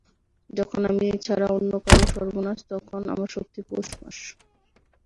যখন আমি ছাড়া অন্য কারও সর্বনাশ, তখন আমার সত্যিই পৌষ মাস।